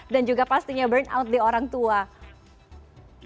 dan juga pastinya burn out di orang tua